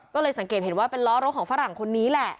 ก็เลยสังเกตเห็นว่าเป็นล้อรถของฝรั่งคนนี้แหละ